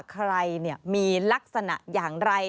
ใครมีลักษณะอย่างไร